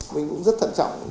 mình cũng rất thận trọng